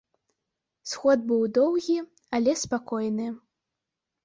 Сход быў доўгі, але спакойны.